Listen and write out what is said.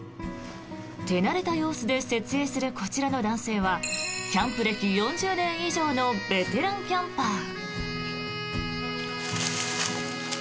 手慣れた様子で設営するこちらの男性はキャンプ歴４０年以上のベテランキャンパー。